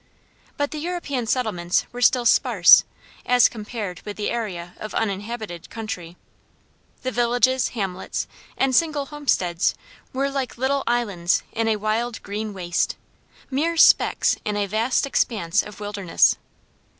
But the European settlements were still sparse, as compared with the area of uninhabited country. The villages, hamlets, and single homesteads were like little islands in a wild green waste: mere specks in a vast expanse of wilderness.